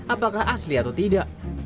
apakah asli atau tidak